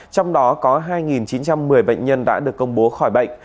trong đó có hai chín trăm một mươi bệnh nhân đã được công bố khỏi bệnh